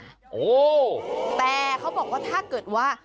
ไประดะโอ้แต่เขาบอกว่าถ้าเกิดว่า